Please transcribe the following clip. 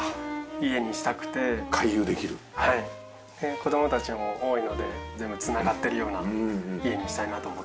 子供たちも多いので全部繋がっているような家にしたいなと思って。